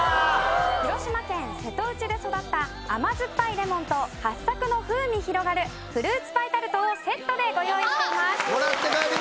広島県瀬戸内で育った甘酸っぱいレモンとはっさくの風味広がるフルーツパイタルトをセットでご用意しています。